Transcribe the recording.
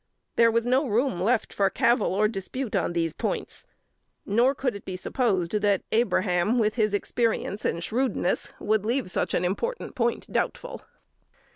There was no room left for cavil or dispute on these points; nor could it be supposed that Abraham, with his experience and shrewdness, would leave such an important point doubtful.